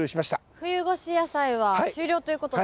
冬越し野菜は終了ということで。